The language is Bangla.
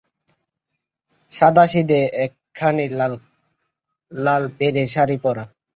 সাদাসিধে একখানি লালপেড়ে শাড়ি পরা।